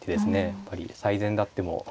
やっぱり最善であっても。